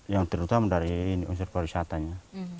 yang terutama dari unsur pariwisatanya